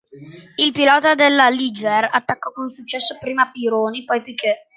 Il pilota della Ligier attaccò con successo prima Pironi poi Piquet.